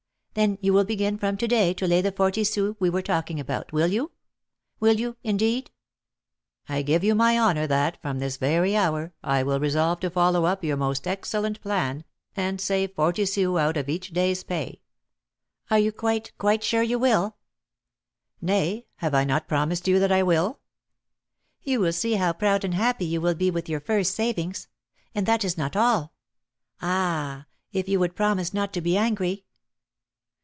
Then you will begin from to day to lay by the forty sous we were talking about, will you? Will you, indeed?" "I give you my honour that, from this very hour, I will resolve to follow up your most excellent plan, and save forty sous out of each day's pay." "Are you quite, quite sure you will?" "Nay, have I not promised you that I will?" "You will see how proud and happy you will be with your first savings; and that is not all ah, if you would promise not to be angry!"